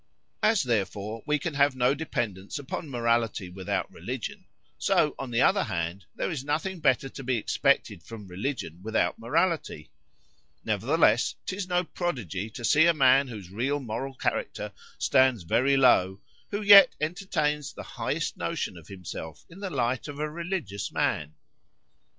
"As, therefore, we can have no dependence upon morality without religion;—so, on the other hand, there is nothing better to be expected from "religion without morality; nevertheless, 'tis no prodigy to see a man whose real moral character stands very low, who yet entertains the highest notion of himself in the light of a religious man.